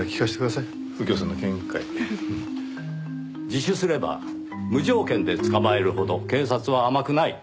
自首すれば無条件で捕まえるほど警察は甘くない。